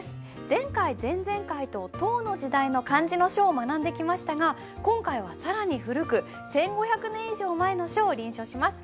前回前々回と唐の時代の漢字の書を学んできましたが今回は更に古く１，５００年以上前の書を臨書します。